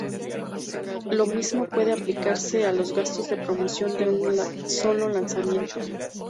Lo mismo puede aplicarse a los gastos de promoción de un solo lanzamiento.